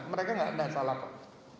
mereka tidak ada masalah kok